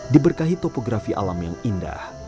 diberkahi topografi alam yang indah